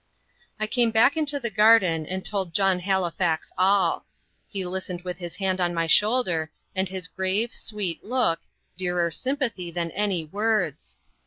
I came back into the garden, and told John Halifax all. He listened with his hand on my shoulder, and his grave, sweet look dearer sympathy than any words!